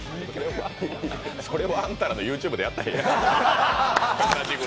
それはあんたらのＹｏｕＴｕｂｅでやったらええやん。